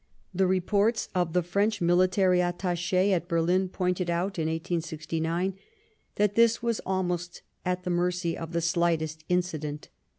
The re ports of theFrench Military Attache at Berlin pointed out in 1869 that this was almost at the mercy of the slightest incident.